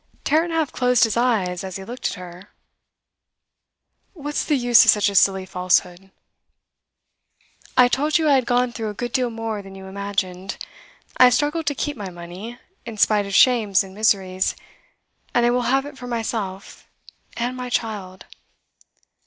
Tarrant half closed his eyes as he looked at her. 'What's the use of such a silly falsehood?' 'I told you I had gone through a good deal more than you imagined. I have struggled to keep my money, in spite of shames and miseries, and I will have it for myself and my child!